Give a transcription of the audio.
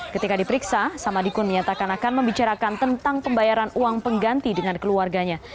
ketika diperiksa samadikun menyatakan akan membicarakan tentang pembayaran uang pengganti dengan keluarganya